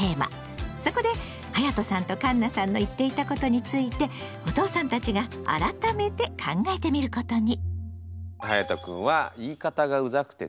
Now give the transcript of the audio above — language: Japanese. そこではやとさんとかんなさんの言っていたことについてお父さんたちが改めて考えてみることに。